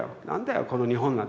この日本なんてさ」。